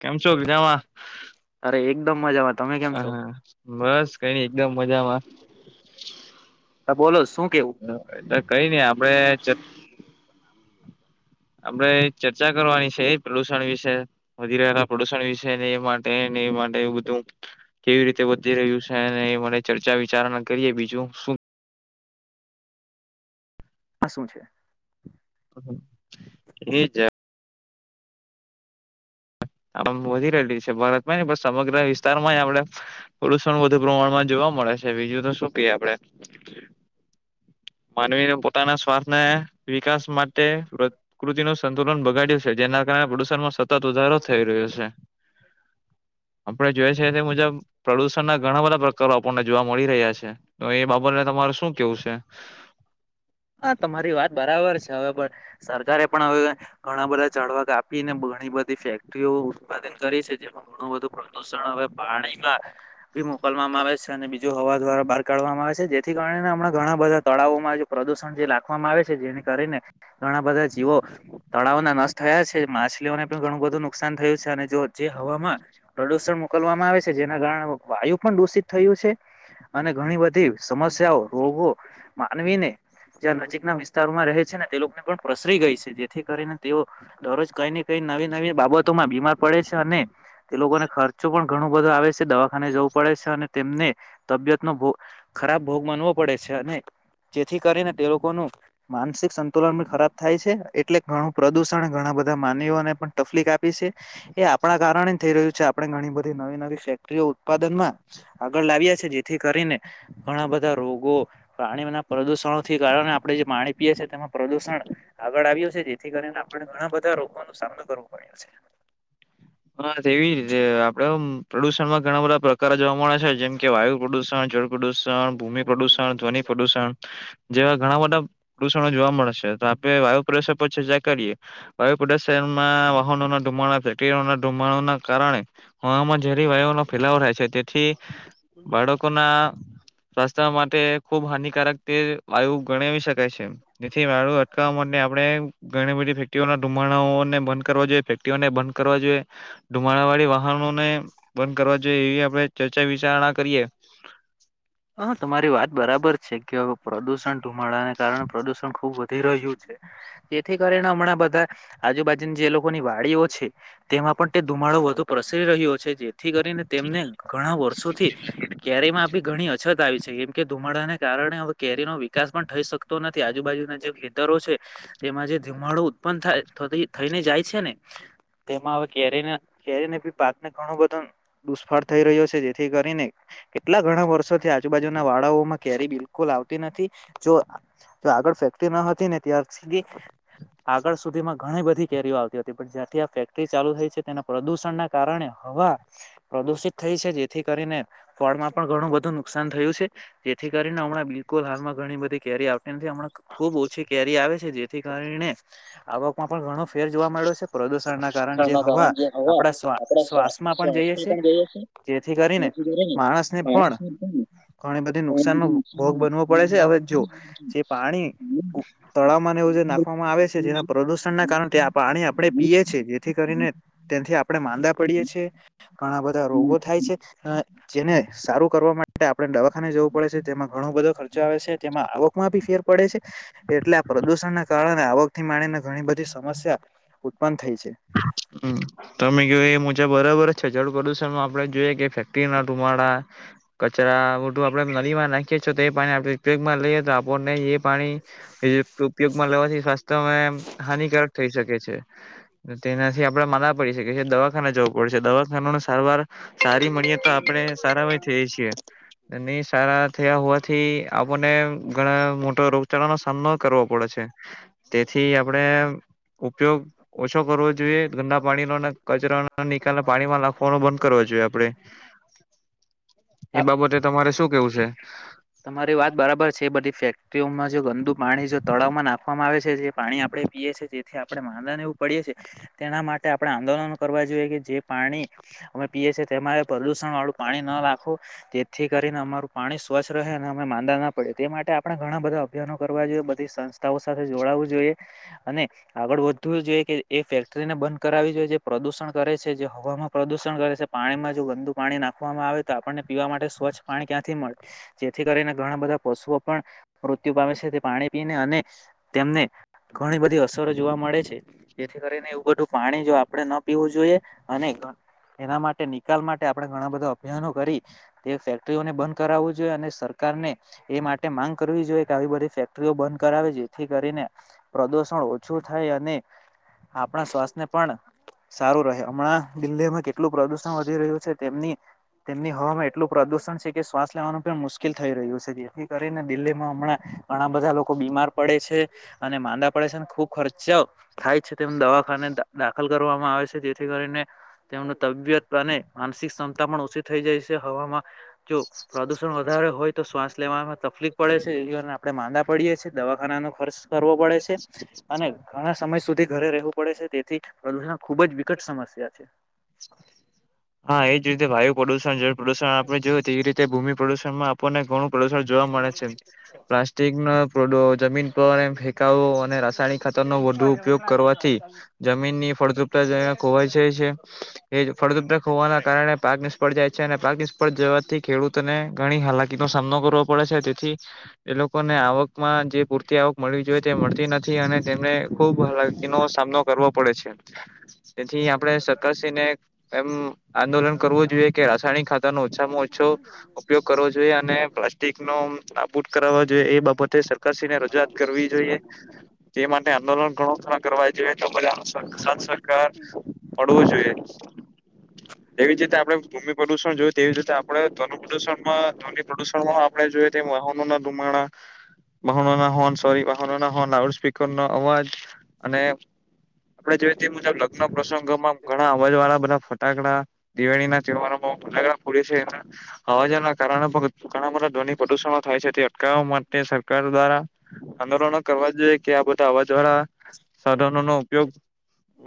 કેમ છો? બીજામાં અરે એકદમ મજામાં તમે હ, કેમ છો બસ કંઈ નહીં, એકદમ મજામાં. બોલો શું કેવું એટલે કંઈ ની આપડે- આપડે એક ચર્ચા કરવાની છે પ્રદુષણ વિશે વધી રહેલા પ્રદુષણ વિશે ને એ માટે. એ માટે એવું બધું કેવી રીતે વધી રહ્યું છે અને મને ચર્ચા વિચાર કરીએ બીજું શું. આ શું છે. એ જ. આમ વધી રહેલી છે ભારતમાં ને પણ સમગ્ર વિસ્તાર માં આપડે થોડું વધુ પ્રમાણમાં જોવા મળે છે બીજું તો શું કએ આપડે. માનવીને પોતાના શ્વાસ ને વિકાસ માટે પ્ર પ્રકૃતિ નું સંતુલન બગાડ્યું છે જેના કારણે પ્રદુષણમાં સતત વધારો થઈ રહ્યો છે. આપણે જોઈએ છેએ તે મુજબ પ્રદુષણ ના ઘણા બધા પ્રકારો આપણને જોવા મળી રહ્યા છે તો એ બાબતને તમા શું કેવું છે. હા તમારી વાત બરાબર છે. હવે બ સરકારે પણ હવે ઘણા બધા ઝાળવા કાપીને ઘણી બધી ફેક્ટરીઓ ઉત્પાદન કરી છે જેમાં ઘણું બુંદુ પ્રદુષણ હવે પાણીમાં [unintelligible] મોકલવામાં આવે છે અને બીજું હવા દ્વારા બહાર કાઢવામાં આવે છે જેથી કારણે હણા ઘણા બધા તળાવોમાં જે પ્રદૂષણ જે લખવામાં આવે છે જેને કરીને ઘણા બધા જીવો તળાવના નષ્ટ થયા છે માછલીઓને પણ ઘણું બધું નુકસાન થયું છે અને જો જે હમાન પ્રદુષણ મોકલવામાં આવે છે જેના કારણે વાયુ પણ દૂષિત થયું છે. અને ઘણી બધી સમસ્યાઓ રોગો માનવીને જ્યાં નજીકના વિસ્તારોમાં રહે છે ને તે લોકોને પણ પ્રસરી ગઈ છે જેથી કરીને તેઓ દરરોજ કઈ ને કઈ નવી નવી બાબતોમાં બીમાર પડે છે અને એ લોકોને ખર્ચો પણ ઘણો બધો આવે છે દવાખાને જવું પડે છે અને તેમને તબિયતનો ખરાબ ભોગ માનવો પડે છે અને જેથી કરીને તે લોકોનું માનસિક સંતુલન ખરાબ થાય છે એટલે ઘણું પ્રદૂષણ ઘણા બધા માનવીને પણ તકલીક આપી છે એ આપણા કારણે થઈ રહ્યું છે આપણે ઘણી બધી નવી નવી ફેક્ટરીઓ ઉત્પાદન માં આગળ લાવ્યા છે જેથી કરીને ઘણા બધા રોગો પ્રણી ના પ્રદુષણો થી કારણે આપણે જે પાણી પીએ છીએ તેમાં પ્રદુષણ આગળ આવ્યું છે જેથી કરીને પણ ઘણા બધા રોગો ન સામનો કરવો પડ્યો છે. હા એવી રીતે આપડે પ્રદુષણમાં ઘણા બધા પ્રકારો જોવા મળે છે જેમ કે વાયુ પ્રદુષણડ પ્રદૂષણ ભૂમિ પ્રદૂષણ છે. ધ્વનિ પ્રદૂષણ જેવા ઘણા બધા પ્રદુષણો જોવા મળે છે તો આપે વાયુ પ્રદુષણ પર ચર્ચા કરીએ વાયુ પ્રદુષણમાં વાહનો કારણે હવામાં ઝેરી વાયુનો ફેલાવો થાય છે. બાળકોના રસ્તા માટે ખુબ હાનિકારક તે વાયુ ગણાવ શકાય છે એ નથી વાળું અટકાવવા માટે આપડે ઘણી બધી ફેક્ટરીઓ ના ધુમાડાને બંધ કરવા જોઈએ. તિઓને બંધ કરવા જોઈએ. ધુમાડા વાળી વાહનોને બંધ કરવા જોઈએ એવી આપણે ચર્ચા વિચારણા કરીએ. [inaudible] હા તમારી વાત બરાબર છે કે પ્રદુષણ ધુમાડાને કારણે પ્રદુષણ ખુબ વધી રહ્યું છે તેથી કરી ણા બધા આજુબાજુની જે લોકોની વાડીઓ છે તેમાં પણ ધુમાડો વગ પ્રસરી રહ્યો છે જેથી કરીને તેમને ઘણા વર્ષોથી ક્યારેયમાં આપી. ઘણી અછત આવી છે એમ કે ધુમાડાને કારણે હવે કેરીનો વિકાસ પણ થઈ શકતો નથી આજુબાજુના જે ખેતરો છે તેમાં જે ધીમાડુ ઉત્પન્ન થ થઈને જાય છે ને. તેમાં હવે કેરીને કેરીને બી પાકને ઘણો બધો દુષ્ફળ થઈ રહ્યો છે જેથી કરીને કેટલા ઘણા વર્ષો થી આજુબાજુના વાળાઓમાં કેરી બી કુલ આવતી નથી જો આગળ ફેક્ટરી ન હતી ને ત્યાાર સુધી આગળ સુધી માં ઘણી બધી કેરીઓ આવતી હતી પણ જંથી ચાલુ થાય છે તેના પ્રદુષણના કારણે હવા દુષિત થઈ છે જેથી કરીને ફળમાં પણ ઘણું બધું નુકસાન થયું છે. જેથી કરીને હમણાં બિલકુલ હાલમાં ઘણી બધી કેરી આવતી નથી હમણાં ખુબ ઓછી કેરી આવે છે જેથી કરી કારણે આવકમાં પણ ઘણો ફેર જોવા મળ્યો છે પ્રદૂષણ કારણ જે ના કારણ હવા જે હવા આપડા આપણા શ્વા શ્વાસમાં પણ જઈએ શ્વાસને છે. પણ જેથી કરીને માણસને પણ ઘણી બધી ન ઘણું નુકસાન બધું નો ભોગ બનવો પડે છે હવે જો જે પાણી તળાવ ને એવું જે નાખવામાં આવે છે જેના નુકસાન પ્રદુષણ ના કારણે પાણી આપડણે પીએ છ છે જેથી કરીને તેથી આપણે માંદા પડીએ છીએ. ઘણા બધા રોગો થાય છે જેને સારું કરવાવામાં આપણે દવાખાને જવું પડે છે તેમાં ઘણો બધો ખર્ચો આવે છે તેમાં આવકમાં બી ફેર પડે છે. એટલે આ પ્રદૂષણને કારણે આવક થી માણીને ઘણી બધી સમસ્યા ઉત્પન્ થઈ છે. હમ તમે કે એ મુજબ બરાબર છે જડ પ્રદુષણમાં આપડે જોઈએ કે ફેક્ટરી ના ધુમાડા કચરા ઓતો આપડે નદી માં નાખીએ છીએ તો એ પાણી આપડી ઉપયોગમાં લઈએ તો આપણને એ પાણી એ ઉપયોગમાં લેવાથી સ્વાસ્થ્ય હાનિકારક થઈ શકે છે તેના આપડે માના પડી છે કે જે દવાખાને જવું પડશે દવાખાનાનું સારવાર સારી મળીએે તો આપણે સારા હોય થઈ છીએ. નહી સારા થયા હોવાથી આપણને ઘણા મોટા રોગ નો સામનો કરવો પડે છે. તેથી આપણેે ઉપયોગ ઓછો કરવો જોઈએ ના પાણી કચરા નિકાલ પાણીમાં નાખવાનો બંધ કરવા જોઈએ આપડે ત એ બાબતે તમારે શું કેવું છે? તમારી વાત બરાબર છે બધી ફેક્ટરીઓમાં જે ગંદુ પાણી જો તળાવમાં નાખવામાં આવે છે જે પાણી આપડણે પીએ છીએ જેથી આપડણે માદને એવું પડીએ છીએ તેના માટે આપણે આંદોલન કરવા જોઈએ કે જે પાણી અમે પીએ છીએ તેમાં પ્રદુષણ વાળું પાણી ન રાખવું તેથી કરીને અમારું પાણી પાણી સ્વચ્છ રહે અને અમે માંદા ના પડે તે માટે આપણે ઘણા બધા અભિયાનો કરવા જોઈએ બધી સંસ્થાઓ સાથે જોડાઉ જોઈએ અને આગળ વધવું જોઈએ કે એ ફેક્ટરીને બંધ કરાવવી જોઈએ જે પ્રદુષણ કરાવ છે જે હવામાં પ્રદૂષણ કરે છે પાણીમાં જો ગંદુ પાણી નાખવામાં આવે તો આપણને પીવા માટે સ્વચ્છ પાણી ક્યાંથી મણે જેથી કરીને ઘણા બધા પશુઓ પણ મૃત્યુ પામે છે તે પાણી પીને અને તેમને ઘણી બધી અસરો જોવા મળે છે જેથી કરીને એવું બધું પાણી જો આપણે ન પીવું જોઈએ અને એના માટે નિકાલ માટે આપણે ઘણા બધા અભિયાનો કરી તે ફેક્ટરીઓને બંધ કરાવવું જોઈએ અને સરકાર સરકાર ને એ માટે માંગ કરવી જોઈએ કે આવી બધી ફેક્ટરીઓ બંધ કરાવે છે થી કરીને પ્રદુષણ ઓછું થાય અને આપણા શવાસને પણ સારું રહે હમણાં દિલ્હીમાં કેટલું પ્રદુષણ વધી રહ્યું છે તેમની તેમની હવામાં એટલું પ્રદુષણ છે કે શ્વાસ લેવાનું પણ મુશ્કેલ થઈ રહ્યું છે જેથી કરીને દિલ્હીમાં હમણાં ઘણા બધા લોકો બીમાર પડે છે અને માંદા પડે છે ખુબ ખર્ચ થાય છે તેમ દવાખાને દાખલ કરવામાં આવે છે જેથી કરીને તેમનું તબિયત અને માનસિક ક્ષમતા પણ ઓછી થઈ જાય છે હવામાં જો પ્રદુષણ વધારે હોય તો શ્વાસ લેવામાં તકલીફ પડે છે એ આપડણે માંદા પડીએે છીએ દવાખાના નો ખર્ચ કરવો પડે છે અને ઘણા સમય સુધી ઘરે રહેવું પડે છે તેથી પ્રદૂષણ ખુબ જ વિકટ સમસ્યા છે હા એ જ રીતે વાયુ પ્રદુષણ જળ પ્રદુષણ આપણે જોયું તે એવી રીતે ભૂમિ પ્રદુષણમાં આપને ઘણું પ્રદુષણ જોવા મળે છે પ્લાસ્ટિક ના બડો જમીન પર ફેકાઓ અને રાસાયણિક ખાતર નો વધુ ઉપયોગ કરવાથી જમીનની ફળદ્રુ ખોવાઇ જાય છે ફળદ્રુપતા હોવાના કારણે પાક નિષ્ફળ જાય છે અને પાક નિષ્ફળ જવાથી ખેડૂતોને ઘણી હાલાકીનો સામનો કરો પડે છે તેથી એ લોકોને આવક માં જે પૂરતી આવક મળવી જોઈએ તે મળતી નથી અને તેમને ખુબ હાલાકીનો સામનો કરવો પડે છે [inaudible] તેથી આપણે સરકારને શ્રીને એમ આંદોલન કરવું જોઈએ કે રાસાયણિક ખાતા ન ઓછામાં ઓછો ઉપયોગ કરવો જોઈએ અને પ્લાસ્ટિક નો નાબૂટ કરાવ જોઈએ એ બાબતે સરકાર શ્રીને રજુઆ કરવી જોઈએ તે માટે આંદોલન ઘણો થ કરવા જોઈએ તો બધા પડવું જોઈએ. એવી જ રીતે આપડણે ભૂમિ પ્રદુષણ જોયું તેવી જ રીતે આપણે ધ્વન પ્રદુષણમાં ધ્વનિ પ્રદુષણમાં આપણે જે વાહનોના ધુમાડા [inaudible] વાહનોના હોર્ન નો અવાજ અને આપડે જોઈએ તે મુજબ લગ્ન પ્રસંગોમાં ઘણા અવાજ વાળા બધા ફટાકડા દિવાળી ના તહેવારોમાં હજાગડા ફોડીએ છે એને હવાજના કારણે પણ ઘણા બધા ધ્વિની પ્રદુષણો થાય છે તે અટકાવવા માટે સરકાર દ્વારા આંદોલનો કરવા જોઈએ કે આ બધા અવાજ વાળા સાધનો નો ઉપયોગ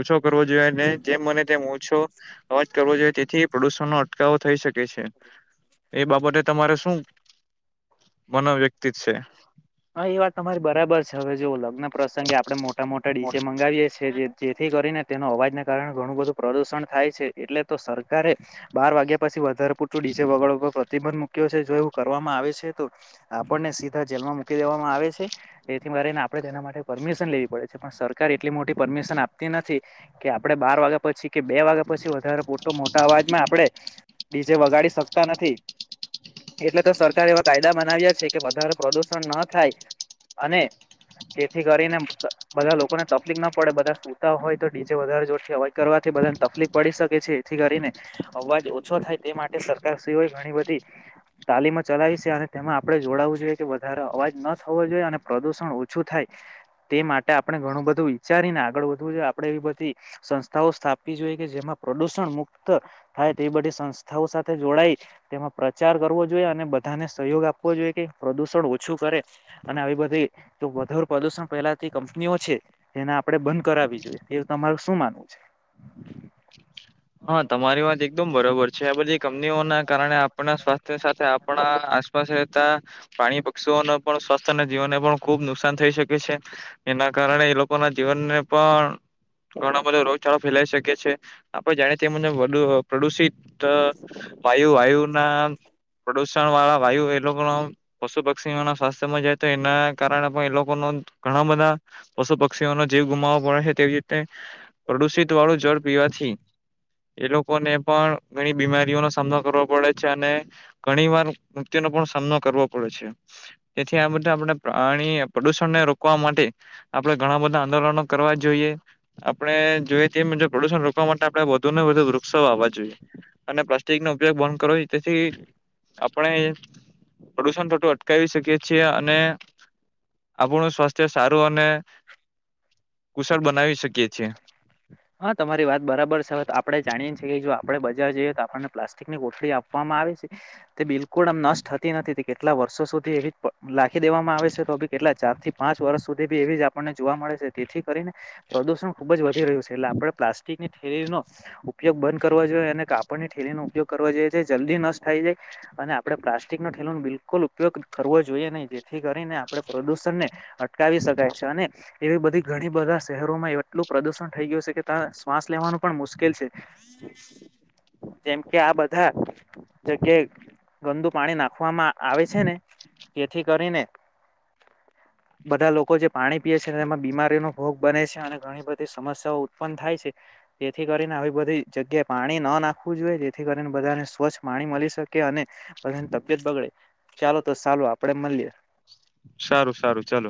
ઓછો કરવો જોઈએને જેમ મને તેમ ઓછો અવાજ કરવો જોઈએ તેથી પ્રદુષણ નો અટકાવો થાય થઈ શકે છે એ બાબતે તમારે શું મનોવ્યક્તિત છે હા એ વાત તમારી બરાબર. હવે જો લગ્ન પ્રસંગે આપડે મોટા મોટા ડીજે મંગાવીએ છી જેથી કરીને તેનો અવાજને કારણે ઘણું બધું પ્રદુષણ થાય છે એટલે તો સરકારે બાર વાગ્યા પછી વધારે પૂરતુ જે વગડ ઉપર પ્રતિબંધ મૂક્યો છે જો એવું કરવામાં આવે છે તો આપણને સીધા જેલમાં મૂકી દેવામાં આવે છે એથીને આપડે તેના માટે પરમિશન લેવી પડે છે પણ સરકાર એટલી મોટી પરમિશન આપતી નથી કે આપડે બાર વાગ્યા પછી કે બે વાગ્યા પછી વધારે પોટ મોટા અવાજમાં આપડણે ડીજે વગાડી શક તા નથી એટલે તો સરકારે એવા કાયદા બનાવ્યા છે કે વધારે પ્રદુષણ ન થાય અને તેથી કરીને બધા લોકોને તકલીફ ના પડે બધા સૂતા હોય તો ડીજે વધારે જોરથી અવાજ કરવાથી બ તકલીફ પડી શકે છે એથી કરીને અવાજ ઓછો થાય તે માટે સર હોય ઘણી બધી તાલીમ ચલાવી છે અને તેમાં આપડે જોડાવું જોઈએ કે વધારે અવાજ ન થવો જોઈએ અને પ્રદુષણ ઓછું થાય તે માટે આપણે ઘણું બધું વિચારીને આગળ વધવું જોએ આપડે એવી બધી સંસ્થાઓ સ્થાપવી જોઈએ કે જેમાં પ્રદૂષણ મુક્ત થાય તેવી બધી સંસ્થાઓ સા સાથે જોડાય તેમાં પ્રચાર કરવો જોઈએ અને બધાને સહયોગ આપવો જોઈએ કે પ્રદુષણ ઓછું કરે. અને આવી બધી વધારે પ્રદુષણ પેલાથી કંપનીઓ છે એને આપડે બંધ કરાવવી જોઈએ એ તમારું શું માનવું છે? [inaudible] તમારી વાત એકદમ બરોબર છે આ બધી કંપનીઓ ના કારણે આપના શ્વાસ સાથે આપણા આસપાસ રહેતા પાણી પક્ષીઓને પણ સ્વાસ્થ્ય અને જીવનને પણ ખુબ નુકસાન થઈ શકે છે એના કારણે એ લોકો ના જીવનને પણ ઘણો બધો રોગચાળો ફેલાઈ શકે છે. આપણે જાણીએ તે મુજબ પ્રદુષિત વાયુ વાયુના પ્રદુષણ વાળા વાયુ એ લોકો પશુ પક્ષીઓ ના સ્વાસ્થ્યમાં જાય તો એના કારણે પણ એ લોકો નો ઘણા બધા પશુ પક્ષીઓનો જીવ ગુમાવો પડે છે તેવી રીતે પ્રદુષિત વાળું જળ પી પછી એ લોકોને પણ ઘણી બીમારીઓનો સામનો કરવો પડે છે અને ઘણી વાર મૃત્યુનો સામનો કરવો પડે છે. તેથી આ બધા આપણે પ્રણી પ્રદુષણને રોકવા માટે આપડણે ઘણા બધા આંદોલનો કરવા જોઈએ આપણે જોઈએ તે મુજબ પ્રદુષણ રોકવા માટે આપે વૃક્ષો વાવવા જોઈએ અને પ્લાસ્ટિક નો ઉપયોગ બંધ કરો તેથી આપણે પ્રદુષણ થતુ અટકાવી શકીએ છીએ અને આપણું સ્વાસ્થ્ય સારું અને કુશળ બનાવી શકીએ છીએ હા તમારી વાત બરાબર છે આપડે જાણીએ જો આપડે બજાર જઈએ તો આપણને પ્લાસ્ટિક ની કોથળી આપવામાં આવે છે તે બિલકુલ આમ નષ્ટ થતી નથી કેટલા વર્ષો સુધી એવી લખી દેવામાં આવે છે તો બી કેટલા ચાર થી પાંચ વર્ષ સુધી બી એવી જ આપણને જોવા મળે છે. તેથી કરીને પ્રદુષણ ખુબ જ વધી રહ્યું છે એટલે આપણે પ્લાસ્ટિકની થેલી નો ઉપયોગ બંધ કરવા જોએ એને કા આપની ઠેલી નું ઉપયોગ કરવા જોઈ છીએ જલ્દી નષ્ટ થાય જાય અને આપણે પ્લાસ્ટિક નો ધેલો બિલકુલ કુલ ઉપયોગ કરવો જોઈએ નહી જેથી કરીને આપણે પ્રદૂષણ ને અટકાવી શકાય છે અને એવી બધી ઘણી બધા શહેરોમાં એટલું પ્રદુષણ થઈ ગયું છે કે તા શ્વાસ લેવાનું પણ મુશ્કેલ છે જેમ કે આ બધા જગ્ય ગંદુ પાણી નાખવામાં આવે છે ને તેથી કરીને બધા લોકો જે પાણી પીય છેને એમાં બીમાર તેનો ભોગ બને છે અને ઘણી બધી સમસ્યાઓ ઉત્પન્ થાય છે તેથી કરીને આવી બધી જગ્યાએ પાણી પાણી ન નાખવું જોઈએ જેથી કરીને બધાને સ્વચ્છ પાણી મળી શકે અને બધાની તબિયત બગડે ચાલો તો ચાલું આપડે મળી લએ ચાલ સારું સારું ચાલું ચલો. ચાલ